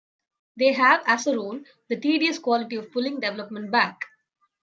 They have, as a rule, the tedious quality of pulling development back.